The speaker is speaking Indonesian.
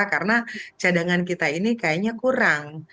karena cadangan kita ini kayaknya kurang